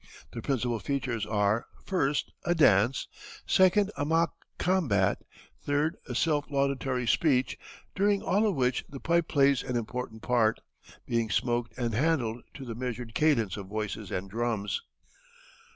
The principal features are, first, a dance; second, a mock combat; third, a self laudatory speech, during all of which the pipe plays an important part, being smoked and handled to the measured cadence of voices and drums.